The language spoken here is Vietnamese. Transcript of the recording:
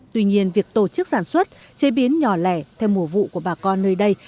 tuy nhiên việc tổ chức sản xuất chế biến nhỏ lẻ theo mùa vụ của bà con nơi đây